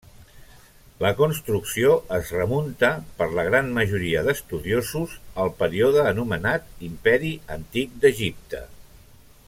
La construcció es remunta, per la gran majoria d'estudiosos, al període anomenat Imperi Antic d'Egipte.